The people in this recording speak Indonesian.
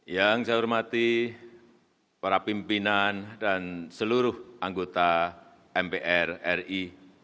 yang saya hormati para pimpinan dan seluruh anggota mpr ri